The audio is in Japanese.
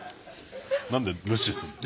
何で無視すんの？